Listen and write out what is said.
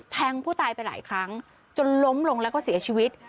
แทงผู้ตายไปหลายครั้งจนล้มลงแล้วก็เสียชีวิต